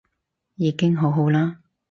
已經好好啦